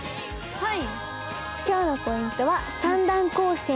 はい。